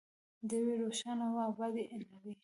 د یوې روښانه او ابادې نړۍ.